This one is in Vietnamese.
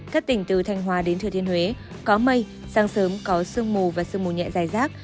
các tỉnh từ thanh hòa đến thừa thiên huế có mây sáng sớm có sương mù và sương mù nhẹ dài rác